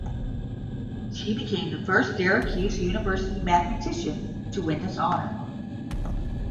She became the first Syracuse University mathematician to win this honor.